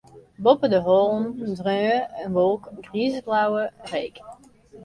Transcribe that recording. Boppe de hollen dreau in wolk griisblauwe reek.